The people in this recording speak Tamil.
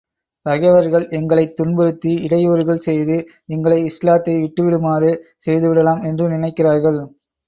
பகைவர்கள் எங்களைத் துன்புறுத்தி, இடையூறுகள் செய்து, எங்களை இஸ்லாத்தை விட்டு விடுமாறு செய்து விடலாம் என்று நினைக்கிறார்கள்.